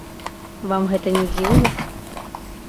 Вам гэта не дзіўна?